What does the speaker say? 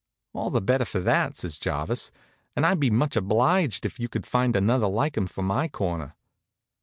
"All the better for that," says Jarvis. "And I'd be much obliged if you'd find another like him for my corner."